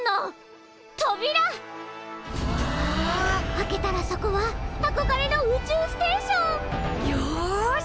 開けたらそこはあこがれの宇宙ステーション！よし！